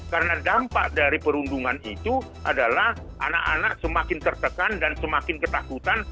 karena dampak dari perundungan itu adalah anak anak semakin tertekan dan semakin ketakutan